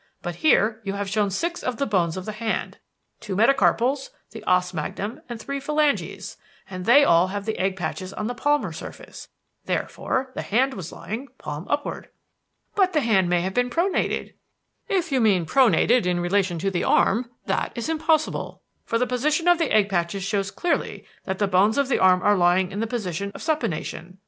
But here you have shown six of the bones of the hand: two metacarpals, the os magnum, and three phalanges; and they all have egg patches on the palmar surface. Therefore the hand was lying palm upward." "But the hand may have been pronated." "If you mean pronated in relation to the arm, that is impossible, for the position of the egg patches shows clearly that the bones of the arm were lying in the position of supination.